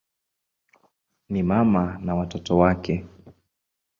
Ni mama na watoto wake.